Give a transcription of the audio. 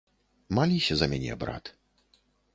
Маліся за мяне, брат.